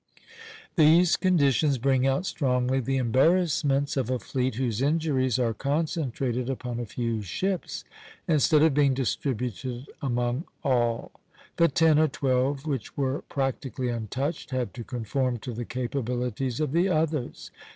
These conditions bring out strongly the embarrassments of a fleet whose injuries are concentrated upon a few ships, instead of being distributed among all; the ten or twelve which were practically untouched had to conform to the capabilities of the others.